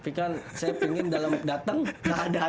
tapi kan saya pengen dalam dateng nggak ada yang mau